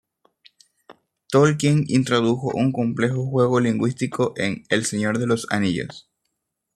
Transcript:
Tolkien introdujo un complejo juego lingüístico en "El Señor de los Anillos".